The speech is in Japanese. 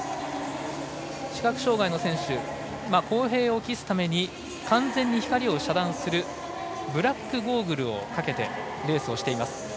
視覚障がいの選手公平を期すために完全に光を遮断するブラックゴーグルをかけてレースをしています。